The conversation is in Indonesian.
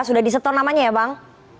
sudah disetor namanya ya bang